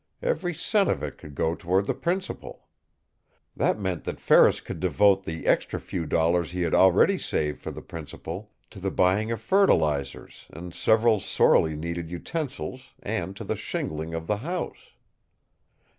Every cent of it could go toward the principal. That meant Ferris could devote the extra few dollars he had already saved for the principal to the buying of fertilizers and several sorely needed utensils and to the shingling of the house.